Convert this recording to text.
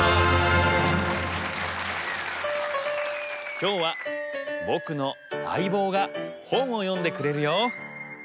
きょうはぼくのあいぼうがほんをよんでくれるよ。